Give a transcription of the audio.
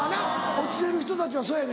落ちてる人たちはそやのやろ。